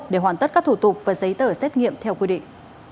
để hoàn tất các thủ tục và giấy tờ xét nghiệm theo quy định